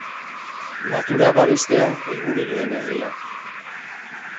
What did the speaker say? Natura bebestea helburu duen herria.